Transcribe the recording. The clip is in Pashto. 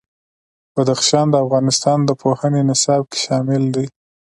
بدخشان د افغانستان د پوهنې نصاب کې شامل دي.